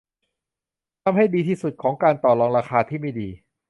ทำให้ดีที่สุดของการต่อรองราคาที่ไม่ดี